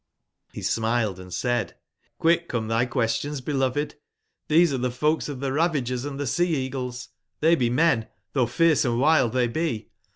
He smiled and said: ''Quick come thy questions, beloved. Xlhcec are the folks of the Ravagers & the Sea/eagles: they bemen, though fierce and wild they be.